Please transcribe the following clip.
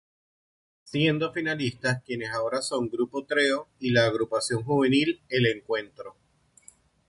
Siendo finalistas quienes ahora son Grupo Treo y la agrupación juvenil El Encuentro.